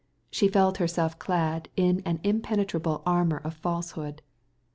She felt herself clad in an impenetrable armor of falsehood.